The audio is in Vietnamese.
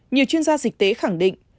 nhiều chuyên gia dịch tế khẳng định